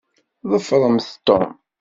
Ḍefṛemt Tom!